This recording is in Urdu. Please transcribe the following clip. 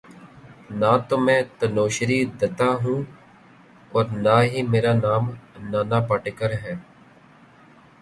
نہ تو میں تنوشری دتہ ہوں اور نہ ہی میرا نام نانا پاٹیکر ہے